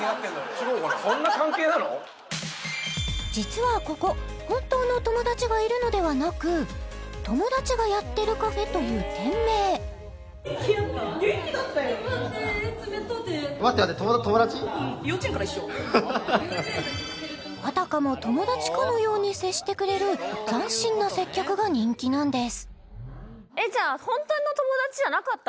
違うかな実はここ本当の友達がいるのではなく「友達がやってるカフェ」という店名あたかも友達かのように接してくれる斬新な接客が人気なんです